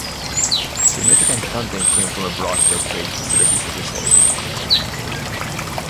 Significant funding came from abroad to upgrade facilities and resources.